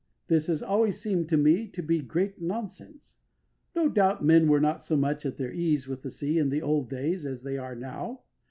This has always seemed to me to be great nonsense. No doubt, men were not so much at their ease with the sea in the old days as they are now.